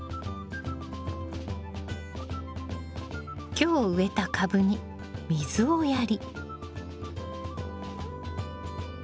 今日植えた株に水をやり。